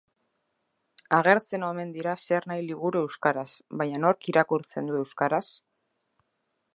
Agertzen omen dira zernahi liburu euskaraz bainan nork irakurtzen du euskaraz?